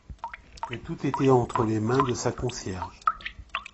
que tout était entre les mains de sa concierge.